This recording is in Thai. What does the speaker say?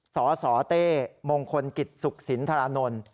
สสเต้มงคลกิจสุขสินทรานนท์